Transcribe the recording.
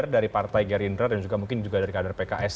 dari indra dan mungkin juga dari kader pks